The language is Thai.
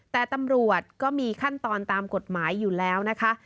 แต่ตำรวจก็มีขั้นตอนตามกฎหมายอยู่แล้วนะคะ